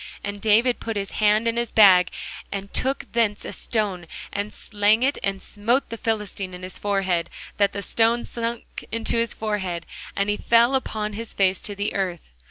And David put his hand in his bag, and took thence a stone, and slang it, and smote the Philistine in his forehead, that the stone sunk into his forehead; and he fell upon his face to the earth.